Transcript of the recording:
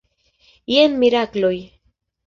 Jen mirakloj!